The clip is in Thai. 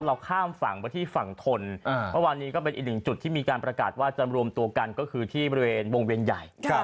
เราข้ามฝั่งไปที่ฝั่งทนเมื่อวานนี้ก็เป็นอีกหนึ่งจุดที่มีการประกาศว่าจะรวมตัวกันก็คือที่บริเวณวงเวียนใหญ่